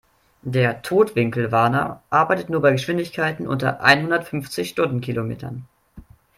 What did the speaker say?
Der Totwinkelwarner arbeitet nur bei Geschwindigkeiten unter einhundertfünfzig Stundenkilometern.